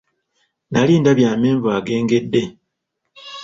Nali ndabye amenvu agengedde.